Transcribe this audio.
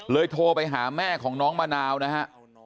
โทรไปหาแม่ของน้องมะนาวนะฮะ